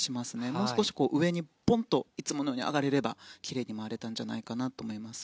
もう少し上にポンといつものように上がれればきれいに回れたんじゃないかと思います。